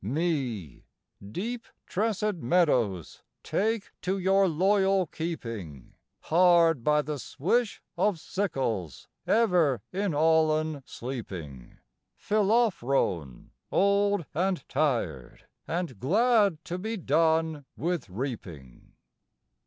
X Me, deep tressèd meadows, take to your loyal keeping, Hard by the swish of sickles ever in Aulon sleeping, Philophron, old and tired, and glad to be done with reaping!